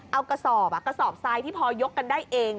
เอากระสอบกระสอบทรายที่พอยกกันได้เอง